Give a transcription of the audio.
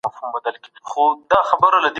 تاسي ولي د مسلمانانو د یووالي په ګټه خبره نه کوله؟